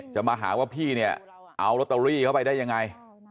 จะมาหาว่าพี่เนี่ยเอาลอตเตอรี่เข้าไปได้ยังไง